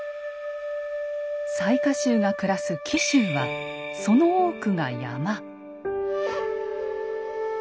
雑賀衆が暮らす紀州はその多くが山。